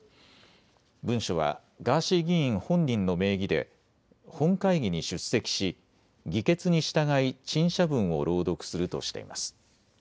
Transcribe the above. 文書はガーシー議員本人の名義で本会議に出席し議決に従い陳謝文を朗読するとしています。